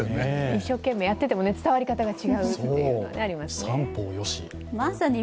一生懸命やっていても、伝わり方が違うというのがありますよね。